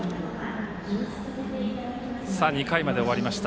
２回まで終わりました。